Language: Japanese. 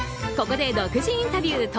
ここで、独自インタビュー